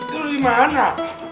lu di mana